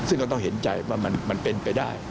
ซึ่งก็ต้องเห็นใจว่ามันเป็นไปได้